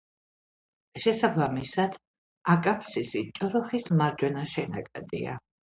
შესაბამისად აკამფსისი ჭოროხის მარჯვენა შენაკადია.